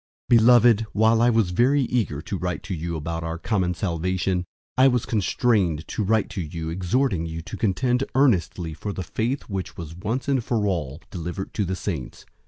001:003 Beloved, while I was very eager to write to you about our common salvation, I was constrained to write to you exhorting you to contend earnestly for the faith which was once for all delivered to the saints.